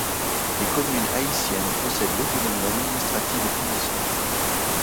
Les communes haïtiennes possèdent l'autonomie administrative et financière.